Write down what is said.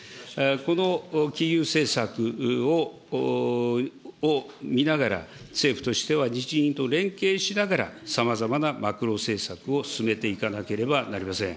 この金融政策を見ながら、政府としては日銀と連携しながらさまざまなマクロ政策を進めていかなければなりません。